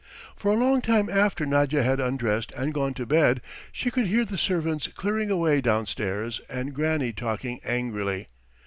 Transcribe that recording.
For a long time after Nadya had undressed and gone to bed she could hear the servants clearing away downstairs and Granny talking angrily.